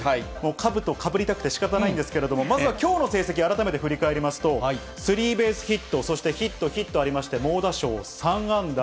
かぶとかぶりたくてしかたないんですけれども、まずはきょうの成績、改めて振り返りますと、スリーベースヒット、そしてヒット、ヒットありまして、猛打賞、３安打。